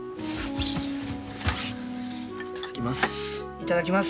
いただきます。